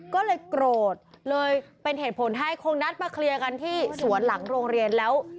ก็เลยโกรธเลยเป็นเหตุผลให้คงนัดมาเคลียร์กันที่สวนหลังโรงเรียนแล้ว